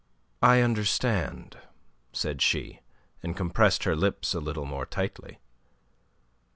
"I understand," said she, and compressed her lips a little more tightly.